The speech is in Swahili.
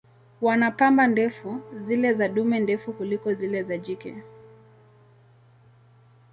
Wana pamba ndefu, zile za dume ndefu kuliko zile za jike.